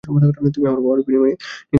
তুমি আমার পাওয়ার নিয়ে নিবে, তাই না?